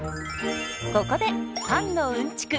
ここでパンのうんちく